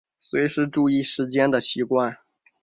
随时注意时间的习惯